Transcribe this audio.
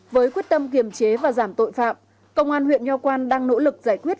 với quyết tâm kiềm chế và giảm tội phạm công an huyện nho quan đang nỗ lực giải quyết